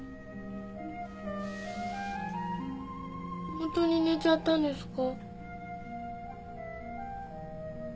ホントに寝ちゃったんですか？